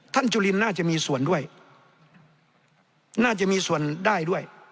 จุลินน่าจะมีส่วนด้วยน่าจะมีส่วนได้ด้วย